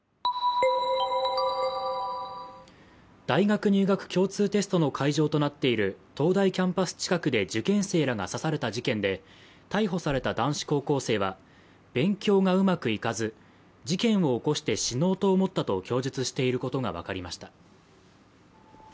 大学入学共通テストの会場となっている東大キャンパス近くで受験生らが刺された事件で逮捕された男子高校生は、勉強がうまくいかず、事件を起こして死のうと思ったと供述していることが分かりました。